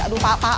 aduh pak pak